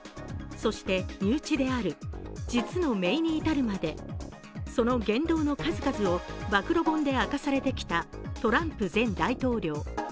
そして身内である実のめいに至るまでその言動の数々を暴露本で明かされてきたトランプ前大統領。